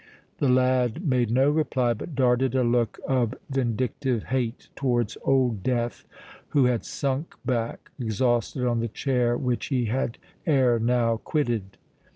The lad made no reply, but darted a look of vindictive hate towards Old Death, who had sunk back exhausted on the chair which he had ere now quitted.